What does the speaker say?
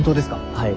はい。